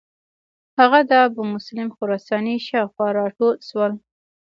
هغه د ابومسلم خراساني شاو خوا را ټول شو.